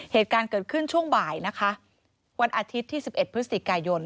เหตุการณ์เกิดขึ้นช่วงบ่ายนะคะวันอาทิตย์ที่๑๑พฤศจิกายน